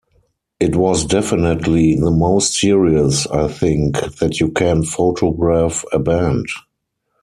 It was definitely the most serious, I think, that you can photograph a band.